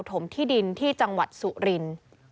มที่ดินที่จังหวัดสุรินทร์